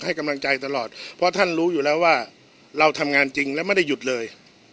กำลังใจตลอดเพราะท่านรู้อยู่แล้วว่าเราทำงานจริงและไม่ได้หยุดเลย